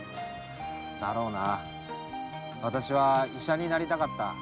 だろうなわたしは医者になりたかった。